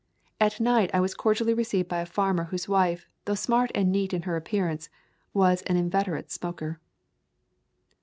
At night I was cordially received by a farmer whose wife, though smart and neat in her appearance, was an inveterate smoker.